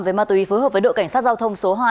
về ma túy phối hợp với đội cảnh sát giao thông số hai